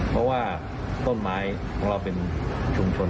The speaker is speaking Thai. เพราะว่าต้นไม้ของเราเป็นชุมชน